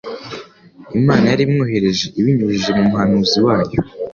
Imana yari imwoherereje ibinyujije mu muhanuzi wayo.